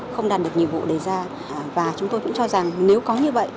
không đạt được nhiệm vụ đề ra và chúng tôi cũng cho rằng nếu có như vậy